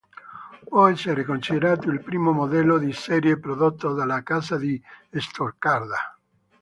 Può essere considerato il primo modello "di serie" prodotto dalla casa di Stoccarda.